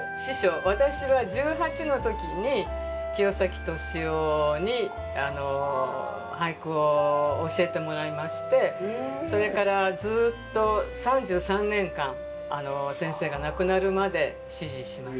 私は１８の時に清崎敏郎に俳句を教えてもらいましてそれからずっと３３年間先生が亡くなるまで師事しました。